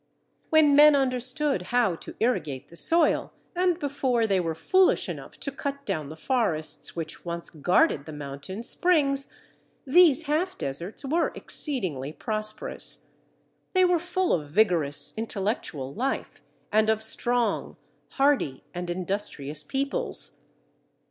When men understood how to irrigate the soil, and before they were foolish enough to cut down the forests which once guarded the mountain springs, these half deserts were exceedingly prosperous; they were full of vigorous intellectual life, and of strong, hardy, and industrious peoples.